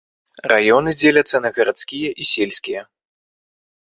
Раёны дзеляцца на гарадскія і сельскія.